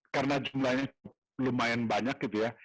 karena jumlahnya lumayan banyak gitu ya